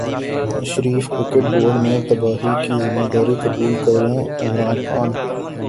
نواز Sharif cricket board میں تباہی کی ذمہ داری قبول کریں عمران خان